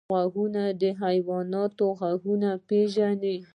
غوږونه د حیواناتو غږ پېژني